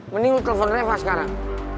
mending lo telepon reva sekarang